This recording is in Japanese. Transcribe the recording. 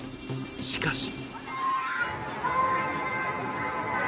しかし。